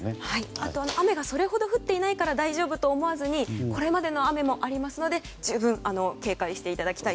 あとは雨がそれほど降っていないから大丈夫と思わずにこれまでの雨もありますので十分警戒してください。